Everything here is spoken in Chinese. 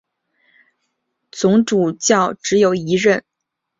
总主教只有一任。